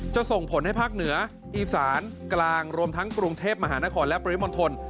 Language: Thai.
ส่งผลให้ภาคเหนืออีสานกลางรวมทั้งกรุงเทพมหานครและปริมณฑล